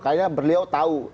karena beliau tahu